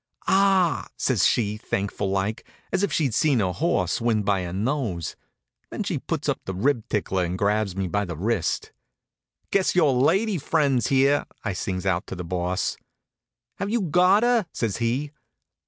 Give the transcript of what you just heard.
"Ah h h!" says she, thankful like, as if she'd seen her horse win by a nose. Then she puts up the rib tickler and grabs me by the wrist. "Guess your lady friend's here," I sings out to the Boss. "Have you got her?" says he.